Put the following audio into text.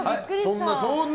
そんな。